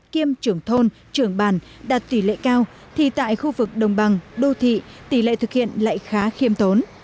kiêm trưởng thôn trưởng bàn đạt tỷ lệ cao thì tại khu vực đồng bằng đô thị tỷ lệ thực hiện lại khá khiêm tốn